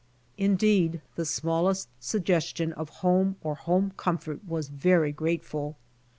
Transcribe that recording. Indeed the smallest suggestion of home or home comfort was very grate ful.